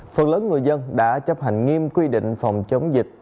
phần lớn người dân đã chấp hành nghiêm quy định phòng chống dịch